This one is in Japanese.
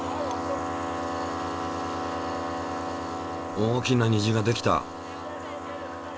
大きな虹ができた。